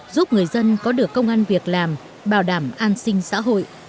giúp người dân có được công an việc làm bảo đảm an sinh xã hội